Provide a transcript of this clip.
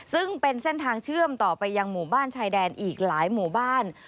ซึ่งเป็นเส้นทางเชื่อมต่อไปยังหมู่บ้านชายแดนอีกหลายหมู่บ้าน